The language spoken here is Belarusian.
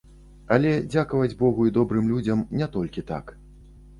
Але, дзякаваць богу і добрым людзям, не толькі так.